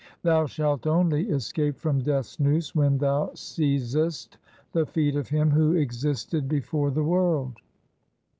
Thou shalt only escape from Death's noose when thou seizest the feet of Him who existed before the world.